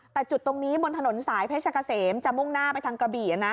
แต่จุดตรงนี้บนถนนสายเพชรเกษมจะมุ่งหน้าไปทางกระบี่